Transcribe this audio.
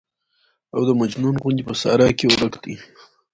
او د مجنون غوندې په صحرا کې ورک دى.